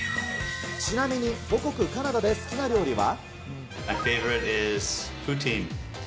ちなみに、母国、カナダで好きな料理は？